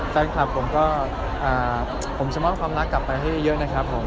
แฟนคลับผมก็ผมจะมอบความรักกลับไปให้เยอะนะครับผม